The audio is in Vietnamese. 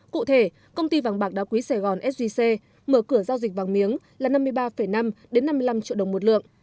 cụ thể công ty vàng bạc đá quý sài gòn sgc mở cửa giao dịch vàng miếng là năm mươi ba năm năm mươi năm triệu đồng một lượng